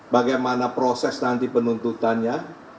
bagaimana proses nanti penuntutannya